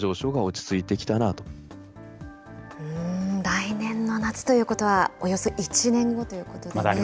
来年の夏ということは、およそ１年後ということでね。